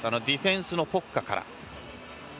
ディフェンスのポッカから。